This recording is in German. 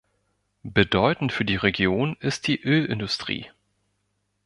Bedeutend für die Region ist die Ölindustrie.